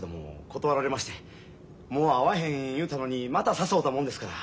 もう会わへん言うたのにまた誘うたもんですから。